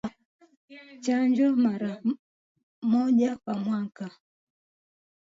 Chanjo mara mbili kwa mwaka